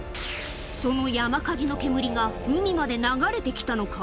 その山火事の煙が海まで流れてきたのか？